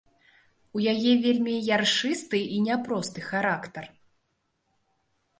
У яе вельмі яршысты і няпросты характар.